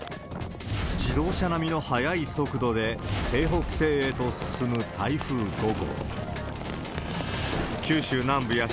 自動車並みの速い速度で、西北西へと進む台風５号。